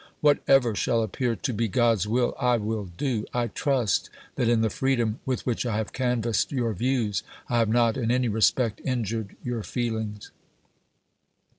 Whatever shall appear to be God's will, I will do. I trust that in the freedom with which I have canvassed your views I have not in any respect injured your feelings.